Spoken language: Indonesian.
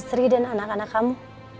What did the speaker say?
setidaknya abang podcastmu